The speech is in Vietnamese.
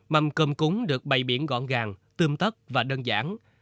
mâm cơm cúng được bày biển gọn gàng tươm tất và đơn giản